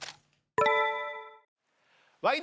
「ワイド！